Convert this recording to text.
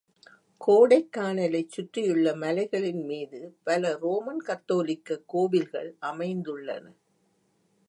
கோடைக்கானலைச் சுற்றியுள்ள மலைகளின் மீது பல ரோமன் கத்தோலிக்கக் கோவில்கள் அமைந்துள்ளன.